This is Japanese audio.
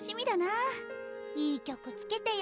いい曲つけてよ？